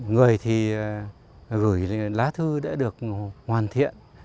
người thì gửi lá thư đã được hoàn thiện